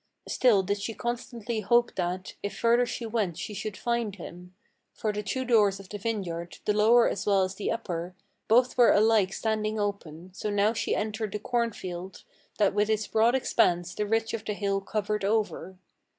Still did she constantly hope that, if further she went, she should find him; For the two doors of the vineyard, the lower as well as the upper, Both were alike standing open. So now she entered the cornfield, That with its broad expanse the ridge of the hill covered over.